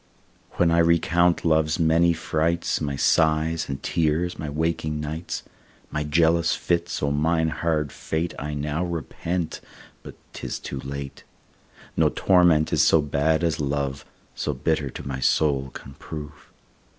When I recount love's many frights, My sighs and tears, my waking nights, My jealous fits; O mine hard fate I now repent, but 'tis too late. No torment is so bad as love, So bitter to my soul can prove.